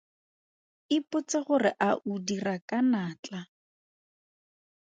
Ipotse gore a o dira ka natla.